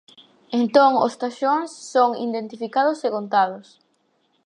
Entón os taxons son identificados e contados.